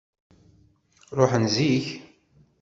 Ṛuḥen zik.